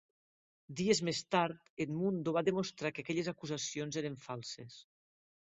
Dies més tard, Edmundo va demostrar que aquelles acusacions eren falses.